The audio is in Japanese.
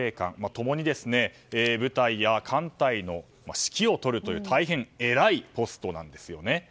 共に部隊や艦隊の指揮を執るという大変偉いポストなんですよね。